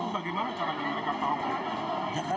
bagaimana caranya mereka tahu